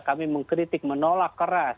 kami mengkritik menolak keras